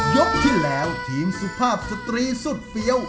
ยกที่แล้วทีมสุภาพสตรีสุดเฟี้ยว